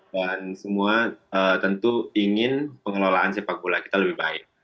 dan semua tentu ingin pengelolaan sepak bola kita lebih baik